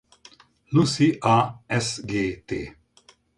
Lucy a Sgt.